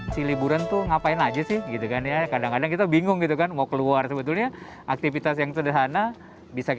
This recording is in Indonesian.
sejumlah hal bisa didapatkan anak dalam kegiatan belajar menggambar dan melukis